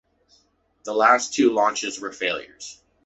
The last two launches were failures.